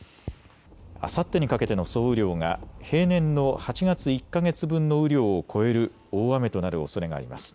あさってにかけての総雨量が平年の８月１か月分の雨量を超える大雨となるおそれがあります。